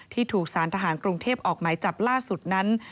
ที่ถูกสารทหารกรุงเทพออกหมายจับล่าสุดนั้น